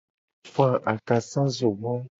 Fa akasazogbo.